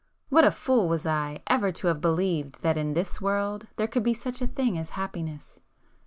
What a fool was I ever to have believed that in this world there could be such a thing as happiness!